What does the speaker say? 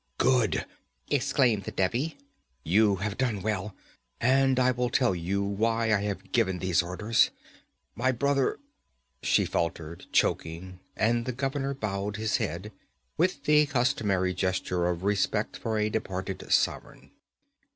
'Good!' exclaimed the Devi. 'You have done well. And I will tell you why I have given these orders. My brother ' she faltered, choking, and the governor bowed his head, with the customary gesture of respect for a departed sovereign.